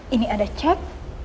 ini ada cek